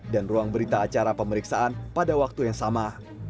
dan ruang berita acara pemeriksaan pada waktu yang sama